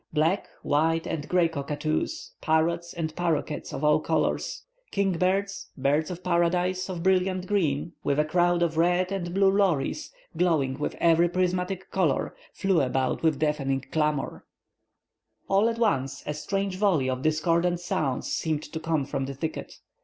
Black, white, and grey cockatoos, parrots and parroquets of all colors, king birds, birds of paradise, of brilliant green, with a crowd of red, and blue lories, glowing with every prismatic color, flew about with deafening clamors. All at once, a strange volley of discordant sounds seemed to come from the thicket.